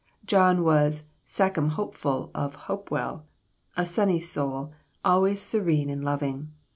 John was "Sachem Hopeful of Hopewell," a sunny soul, always serene and loving.